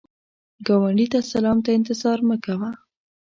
ګاونډي ته سلام ته انتظار مه کوه